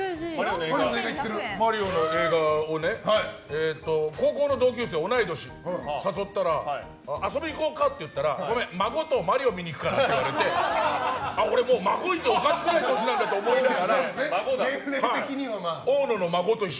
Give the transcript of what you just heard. マリオの映画を高校の同級生同い年のやつを誘ったら遊びに行こうかって言ったらごめん孫とマリオ見に行くからって言われて俺、孫いておかしくない年なんだと金閣寺も？